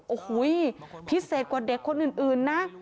โอ้โหพิเศษกว่าเด็กคนอื่นนะ